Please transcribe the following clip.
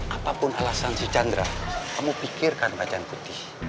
apapun alasan si chandra kamu pikirkan kacang putih